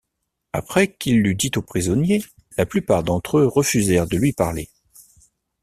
Après qu'il l'eut dit aux prisonniers, la plupart d'entre eux refusèrent de lui parler.